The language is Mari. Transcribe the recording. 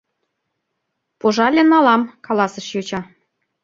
— Пожале, налам, — каласыш йоча.